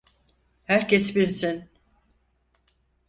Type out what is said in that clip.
Herkes binsin!